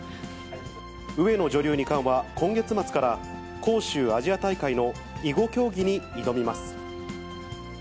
上野女流二冠は、今月末から、杭州アジア大会の囲碁競技に挑みます。